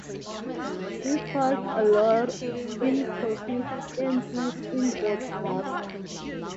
This caused a lot inconsistencies in both dubs.